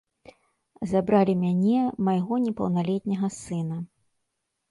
Забралі мяне, майго непаўналетняга сына.